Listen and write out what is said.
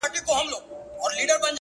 • او « د سیند پرغاړه» -